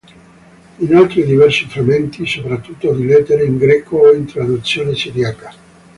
Inoltre diversi frammenti, soprattutto di lettere, in greco o in traduzione siriaca.